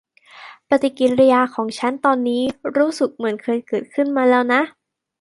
ปฏิกิริยาของฉันตอนนี้รู้สึกเหมือนเคยเกิดขึ้นมาแล้วนะ